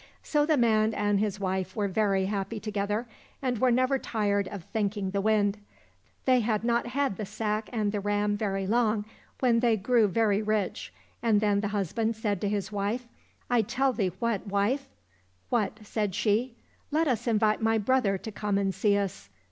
So the man and his wife were very happy together, and were never tired of thanking the Wind. They had not had the sack and the ram very long when they grew very rich, and then the husband said to the wife, " I tell thee what, wife !"—" What ?" said she.—" Let us invite my brother to come and see us."